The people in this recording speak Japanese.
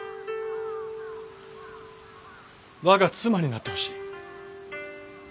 我が妻になってほしい。